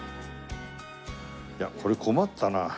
いやこれ困ったな。